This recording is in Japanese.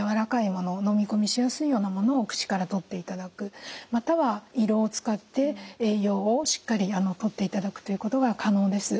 のみ込みしやすいようなものを口からとっていただくまたは胃ろうを使って栄養をしっかりとっていただくということが可能です。